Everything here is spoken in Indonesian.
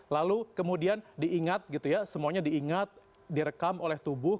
lalu kemudian diingat gitu ya semuanya diingat direkam oleh tubuh